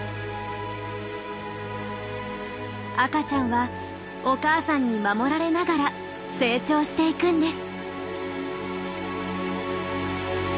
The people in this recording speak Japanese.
赤ちゃんはお母さんに守られながら成長していくんです。